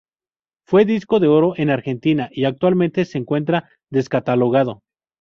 Fue disco de oro en Argentina y actualmente se encuentra descatalogado.